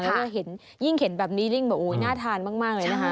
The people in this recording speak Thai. แล้วก็ยิ่งเห็นแบบนี้น่าทานมากเลยนะฮะ